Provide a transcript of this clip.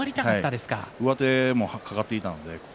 上手が掛かっていたので。